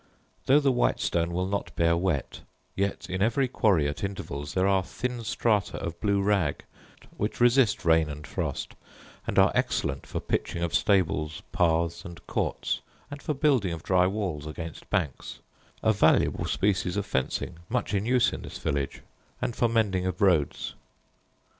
Though the white stone will not bear wet, yet in every quarry at intervals there are thin strata of blue rag, which resist rain and frost; and are excellent for pitching of stables, paths, and courts, and for building of dry walls against banks, a valuable species of fencing, much in use in this village, and for mending of roads.